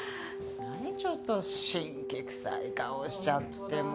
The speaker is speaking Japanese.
何ちょっと辛気くさい顔しちゃってもう。